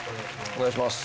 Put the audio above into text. お願いします。